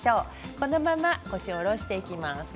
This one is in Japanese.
このまま腰を下ろしていきます。